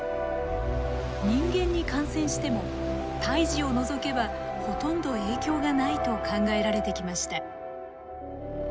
人間に感染しても胎児を除けばほとんど影響がないと考えられてきました。